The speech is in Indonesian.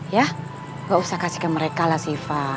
ya nggak usah kasih ke mereka lah siva